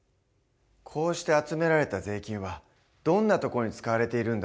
こうして集められた税金はどんなところに使われているんだろう？